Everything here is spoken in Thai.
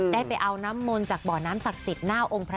ได้ไปเอาน้ำมนต์จากเบาะน้ำศักดิ์ศิษย์